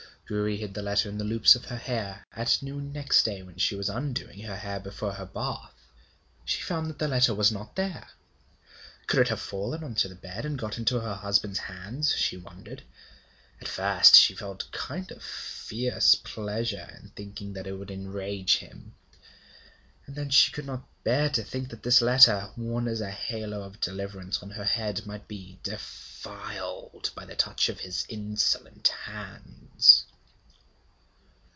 Gouri hid the letter in the loops of her hair. At noon next day when she was undoing her hair before her bath she found that the letter was not there. Could it have fallen on to the bed and got into her husband's hands, she wondered. At first, she felt a kind of fierce pleasure in thinking that it would enrage him; and then she could not bear to think that this letter, worn as a halo of deliverance on her head, might be defiled by the touch of insolent hands.